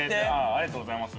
ありがとうございます。